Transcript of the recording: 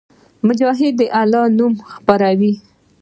مجاهد د الله نور خپروي.